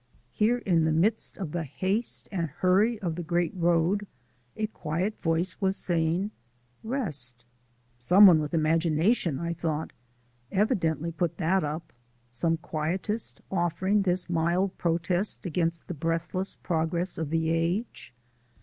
Here in the midst of the haste and hurry of the Great Road a quiet voice was saying, "Rest." Some one with imagination, I thought, evidently put that up; some quietist offering this mild protest against the breathless progress of the age.